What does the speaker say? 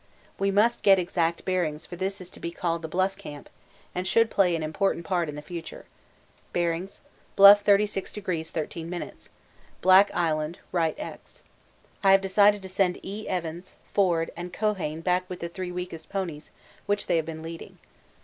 We must get exact bearings for this is to be called the 'Bluff Camp' and should play an important part in the future. Bearings: Bluff 36° 13'; Black Island Rht. Ex. I have decided to send E. Evans, Forde, and Keohane back with the three weakest ponies which they have been leading.